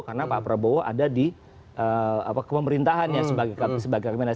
karena pak prabowo ada di pemerintahannya sebagai kandidat